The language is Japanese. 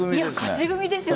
勝ち組ですよ。